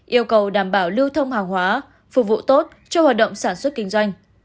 yêu cầu đảm bảo lưu thông hàng hóa phục vụ tốt cho hoạt động sản xuất kinh doanh